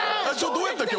どうやったっけ？